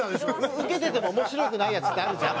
ウケてても面白くないやつってあるじゃん。